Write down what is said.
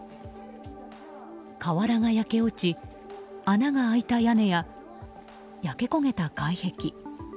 瓦が焼け落ち、穴が開いた屋根や焼け焦げた外壁。